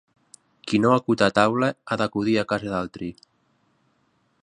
Qui no acut a taula ha d'acudir a casa d'altri.